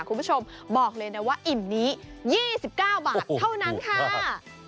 คุณผู้ชมบอกเลยนะว่าอิ่มนี้๒๙บาทเท่านั้นค่ะ